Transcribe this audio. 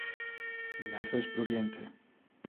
Mi naso es pruriente.